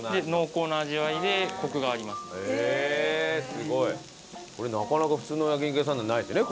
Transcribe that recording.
すごい！なかなか普通の焼肉屋さんではないですよね